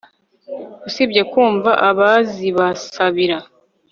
usibye kumva abazibasabira